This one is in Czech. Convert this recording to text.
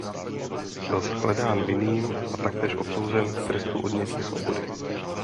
Byl shledán vinným a taktéž odsouzen k trestu odnětí svobody.